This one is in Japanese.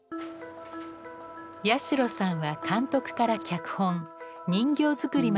八代さんは監督から脚本人形作りまで行っています。